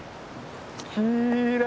きれい！